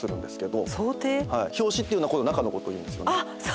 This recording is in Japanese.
表紙っていうのは中のことをいうんですよね。